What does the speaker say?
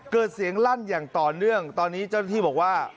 เกิดเสียงลั่นอย่างต่อเนื่องตอนนี้เจ้าหน้าที่บอกว่า